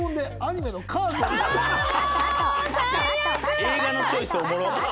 映画のチョイスおもろっ！